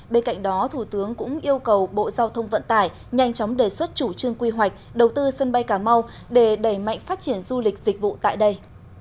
bên cạnh đó thủ tướng cũng yêu cầu bộ giao thông vận tải nhanh chóng đề xuất chủ trương quy hoạch đầu tư sân bay cà mau để đẩy mạnh phát triển du lịch dịch vụ tại đây